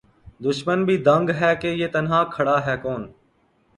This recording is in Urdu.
دُشمن بھی دنگ ہے کہ یہ تنہا کھڑا ہے کون